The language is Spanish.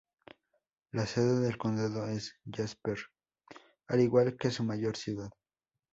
La sede del condado es Jasper, al igual que su mayor ciudad.